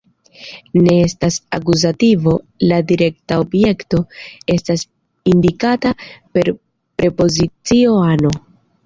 Ne estas akuzativo, la direkta objekto estas indikata per prepozicio "ano".